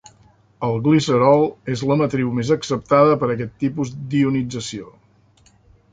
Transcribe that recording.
El glicerol és la matriu més acceptada per aquest tipus d'ionització.